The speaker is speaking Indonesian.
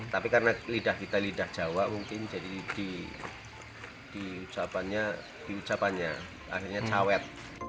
tapi karena lidah kita lidah jawa mungkin jadi di ucapannya akhirnya cawet